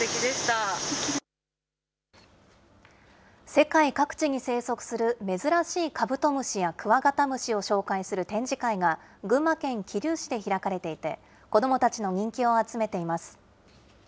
世界各地に生息する珍しいカブトムシやクワガタムシを紹介する展示会が、群馬県桐生市で開かれていて、子どもたちの人気を集めています。